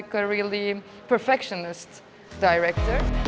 karena dia seperti seorang penguasa yang sangat berperkesan